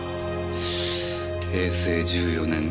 平成１４年秋。